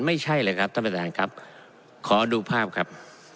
ไม่ใช่เลยครับท่านข้อดูภาพครับ